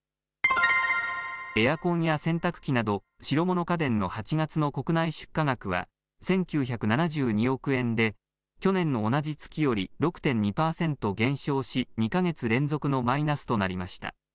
エアコンや洗濯機など白物家電の８月の国内出荷額は１９７２億円で去年の同じ月より６．２％減少し、２か月連続のマイナスとなりました。